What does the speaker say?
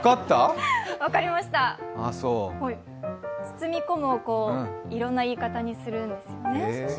包み込むをいろんな言い方にするんですね。